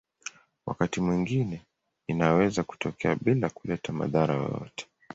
Wakati mwingine inaweza kutokea bila kuleta madhara yoyote.